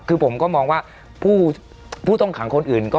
คือผมก็มองว่าผู้ต้องขังคนอื่นก็